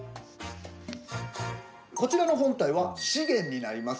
こちらの本体は資源になります。